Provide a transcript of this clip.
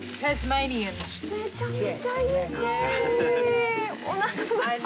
めちゃめちゃいい香り。